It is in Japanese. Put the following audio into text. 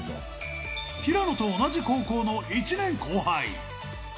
平野と同じ高校の１年後輩。